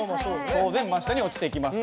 当然真下に落ちてきます。